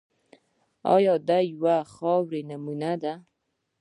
دا د یوې خاورې نومونه دي.